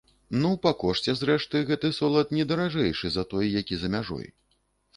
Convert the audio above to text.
Ну, па кошце, зрэшты, гэты солад не даражэйшы за той, які за мяжой.